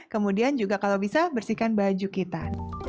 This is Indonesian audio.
kemudian juga kalau bisa bersihkan baju kita